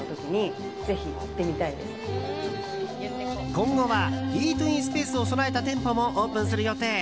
今後はイートインスペースを備えた店舗もオープンする予定。